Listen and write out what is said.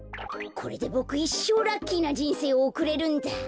これでボクいっしょうラッキーなじんせいをおくれるんだ！